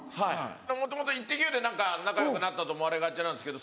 もともと『イッテＱ！』で仲よくなったと思われがちなんですけど。